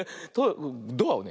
ドアをね